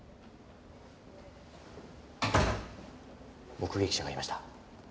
目撃者がいました。